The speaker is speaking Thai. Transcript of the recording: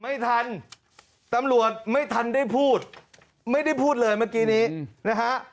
ไม่ทันตำรวจไม่ทันได้พูดไม่ได้พูดเลยเมื่อกี้นี้นะฮะ